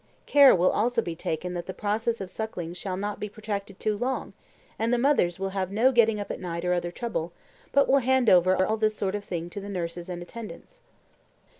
Care will also be taken that the process of suckling shall not be protracted too long; and the mothers will have no getting up at night or other trouble, but will hand over all this sort of thing to the nurses and attendants.